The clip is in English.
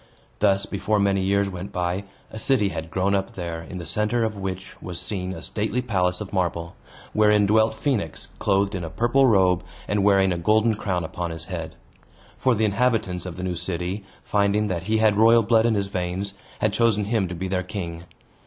Thus, before many years went by, a city had grown up there, in the center of which was seen a stately palace of marble, wherein dwelt Phoenix, clothed in a purple robe, and wearing a golden crown upon his head. For the inhabitants of the new city, finding that he had royal blood in his veins, had chosen him to be their king.